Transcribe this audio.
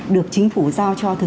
được chính phủ giao cho